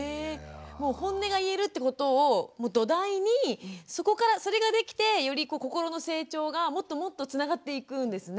ホンネが言えるってことを土台にそれができてより心の成長がもっともっとつながっていくんですね。